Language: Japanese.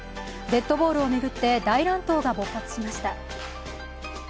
デッドボールを巡って大乱闘が勃発しました。